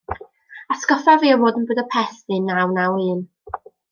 Atgoffa fi o fod yn Budapest yn un naw naw un.